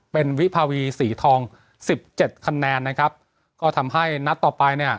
เป็นวิภาวีสีทองสิบเจ็ดคะแนนนะครับก็ทำให้นัดต่อไปเนี่ย